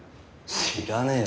知らねえよ